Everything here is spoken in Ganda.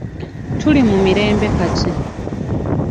Tuli mu mirembe kati.